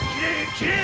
斬れ！